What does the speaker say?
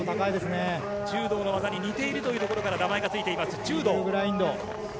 柔道の技に似ているというところから、名前がついている。